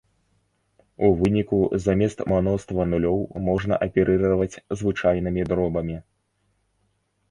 У выніку замест мноства нулёў можна аперыраваць звычайнымі дробамі.